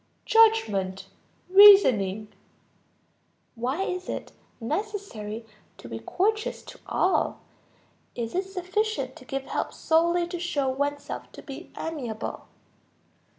Judgment, reasoning. Why is it necessary to be courteous to all? Is it sufficient to give help solely to show oneself to be amiable?